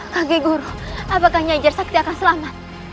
kaki guru apakah nyai jershakti akan selamat